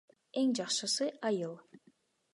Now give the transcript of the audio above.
Эң жакшысы — айыл.